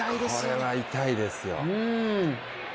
これは痛いですよ。